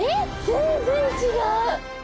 全然違う！